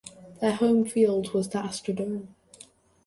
Their home field was the Astrodome.